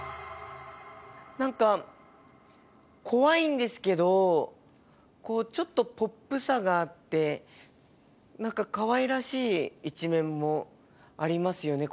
何か怖いんですけどこうちょっとポップさがあって何かかわいらしい一面もありますよね